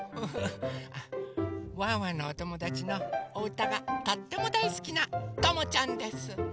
ワンワンのおともだちのおうたがとってもだいすきなともちゃんです。